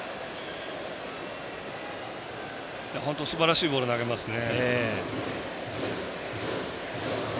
本当すばらしいボール投げますね。